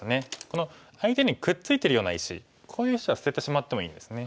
この相手にくっついてるような石こういう石は捨ててしまってもいいんですね。